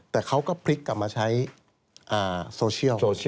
แต่เขาก็พลิกกลับมาใช้โซเชียล